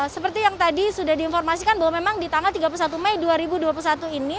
seperti yang tadi sudah diinformasikan bahwa memang di tanggal tiga puluh satu mei dua ribu dua puluh satu ini